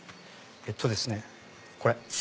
えっとですねこれ！